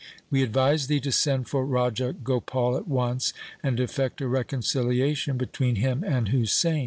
We advise thee to send for Raja Gopal at once, and effect a reconciliation between him and Husain.'